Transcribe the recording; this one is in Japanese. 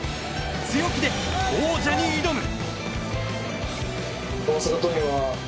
強気で王者に挑む。